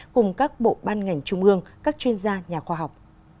cùng các bộ ban ngành trung ương các chuyên gia nhà khoa học